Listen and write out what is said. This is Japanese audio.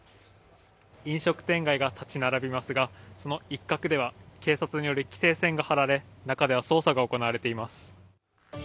飲食店街が立ち並びますがその一角では警察により規制線が張られ中では捜査が行われています。